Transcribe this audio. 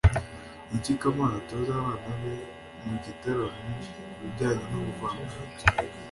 ni iki kamana atoza abana be mu gitaramo ku bijyanye n’ubuvanganzo?